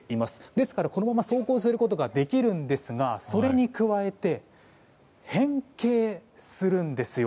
ですから、このまま走行することができるんですがそれに加えて変形するんですよ。